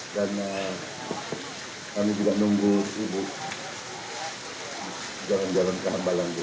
dan kami juga nunggu bu jalan jalan kehamalan bu